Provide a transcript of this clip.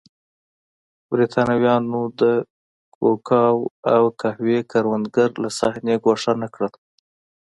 برېټانویانو د کوکو او قهوې کروندګر له صحنې ګوښه نه کړل.